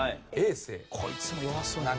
こいつも弱そうやな。